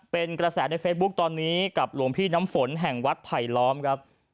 เป็นกระแสในเฟซบุ๊คตอนนี้กับหลวงพี่น้ำฝนแห่งวัดไผลล้อมครับ